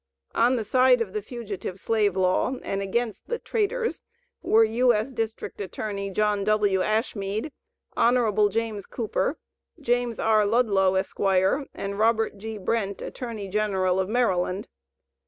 On the side of the Fugitive Slave Law, and against the "traitors," were U.S. District Attorney, John W. Ashmead, Hon. James Cooper, James R. Ludlow, Esq., and Robert G. Brent, Attorney General of Maryland.